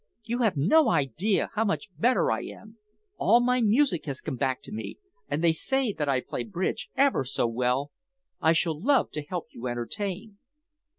You have no idea how much better I am. All my music has come back to me, and they say that I play bridge ever so well. I shall love to help you entertain."